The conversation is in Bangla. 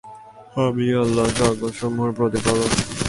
আমিই আল্লাহ, জগতসমূহের প্রতিপালক।